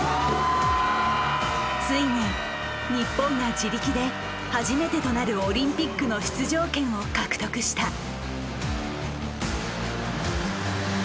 ついに日本が自力で初めてとなるオリンピックの出場権を獲得した。